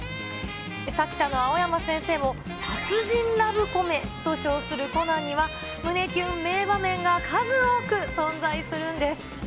作者の青山先生も殺人ラブコメと称するコナンには、胸キュン名場面が数多く存在するんです。